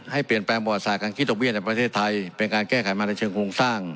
ให้เปลี่ยนแปลงบัวสารการคิดตกเวียนในประเทศไทยเป็นการแก้ไขมาในเชิงคลุมสร้าง